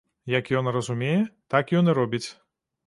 Як ён разумее, так ён і робіць.